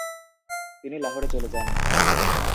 তিনি লাহোর চলে যান।